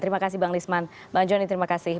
terima kasih bang lisman bang joni terima kasih